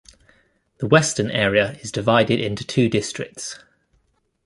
The Western Area is divided into two districts.